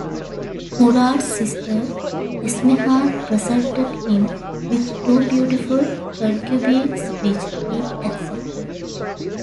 Murad's sister Esmehan presented him with two beautiful concubines, which he accepted.